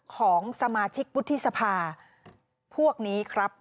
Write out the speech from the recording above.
ของสมาชิกวุฒิสภาพวกนี้ครับ